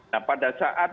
nah pada saat